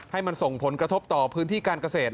ให้มันส่งผลกระทบต่อพื้นที่การเกษตร